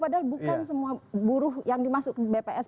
padahal bukan semua buruh yang dimasuk bps